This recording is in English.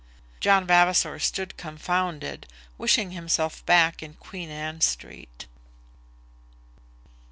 John Vavasor stood confounded, wishing himself back in Queen Anne Street.